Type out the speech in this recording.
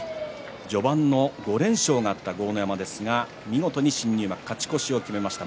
序盤の５連勝があった豪ノ山ですが見事に新入幕勝ち越しを決めました。